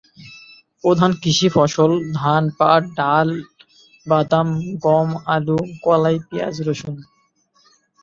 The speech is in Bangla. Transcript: প্রধান কৃষি ফসল ধান, পাট, ডাল, বাদাম, গম, আলু, কলাই, পিঁয়াজ, রসুন।